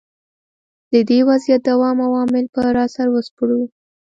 د دې وضعیت دوام او عوامل به را وسپړو.